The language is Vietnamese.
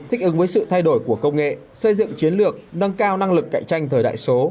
thích ứng với sự thay đổi của công nghệ xây dựng chiến lược nâng cao năng lực cạnh tranh thời đại số